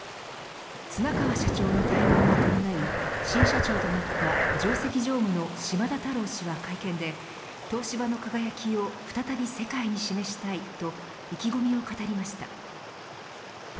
綱川社長の退任に伴い新社長となった上席常務の島田太郎氏は会見で東芝の輝きを再び世界に示したいと意気込みを語りました。